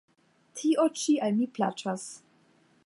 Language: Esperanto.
Tio ĉi al mi plaĉas!